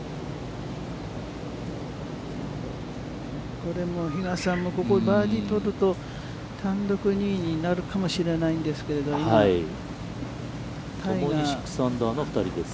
これ、比嘉さんもここでバーディーを取ると単独２位になるかもしれないですけれども、ともに６アンダーの２人です。